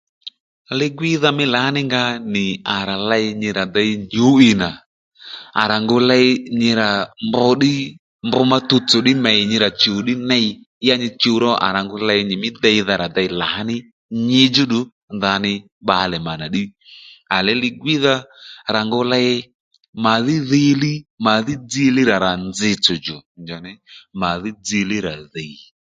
Li-gwíydha mí lǎní nga nì à rà ley nyi rà dey nyǔ'wiy nà à rà ngu ley nyi rà mb mí tuwtsò ddí mèy nyi rà chùw ddí ney ya nyi chuw ro à rà ley nyìmí déydha rà ngu dey lǎní nyi djúddù ndèymí bbalè nà ddí li-gwíydha rà ngu ley màdhí dziylíy rà rà njitsò djò màdhí dziylíy rà dhìy